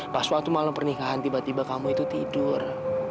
pas waktu malam pernikahan tiba tiba kamu itu tidur